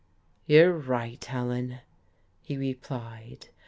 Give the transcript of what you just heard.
"You're right, Helen," he replied.